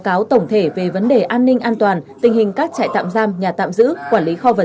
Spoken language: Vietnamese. cáo tổng thể về vấn đề an ninh an toàn tình hình các trại tạm giam nhà tạm giữ quản lý kho vận